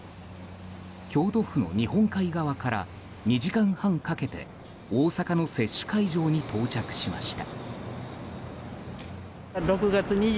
京都府の日本海側から２時間半かけて大阪の接種会場に到着しました。